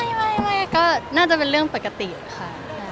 ไม่ก็น่าจะเป็นเรื่องปกติค่ะ